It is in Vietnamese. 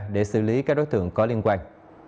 để xử lý các đối tượng có liên quan